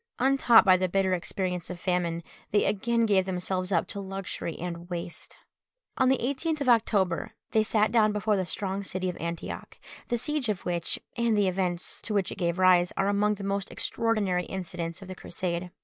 Untaught by the bitter experience of famine, they again gave themselves up to luxury and waste. On the 18th of October they sat down before the strong city of Antioch, the siege of which, and the events to which it gave rise, are among the most extraordinary incidents of the Crusade.